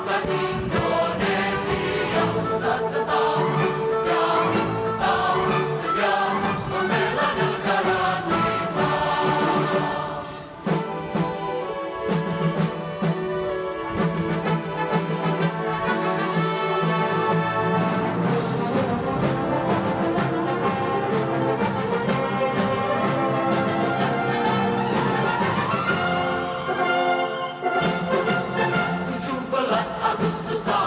dan perbuatan bansuara